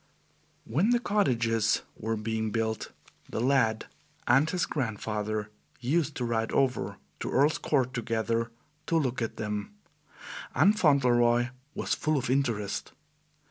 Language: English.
When the cottages were being built, the lad and his grandfather used to ride over to Earl's Court together to look at them, and Fauntleroy was full of interest.